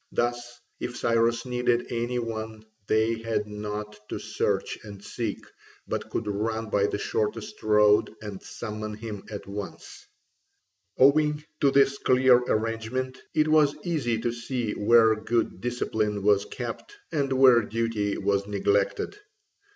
Thus, if Cyrus needed any one they had not to search and seek, but could run by the shortest road and summon him at once. Owing to this clear arrangement, it was easy to see where good discipline was kept and where duty was neglected.